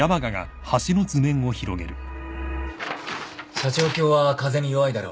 斜張橋は風に弱いだろ。